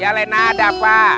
ya lena ada apa